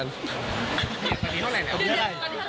ตอนนี้๒๘เอง